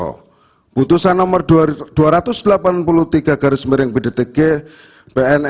keputusan nomor dua ratus delapan puluh tiga garis miring bdtg pn jakarta pusat tetapi tidak diajukan oleh pemohon